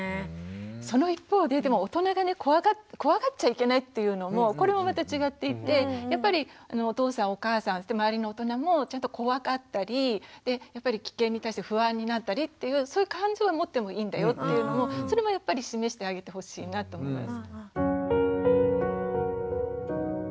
その一方で大人が怖がっちゃいけないっていうのもこれもまた違っていてやっぱりお父さんお母さん周りの大人もちゃんと怖がったり危険に対して不安になったりっていうそういう感情は持ってもいいんだよっていうのもそれもやっぱり示してあげてほしいなと思います。